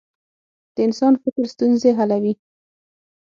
د انسان فکر ستونزې حلوي.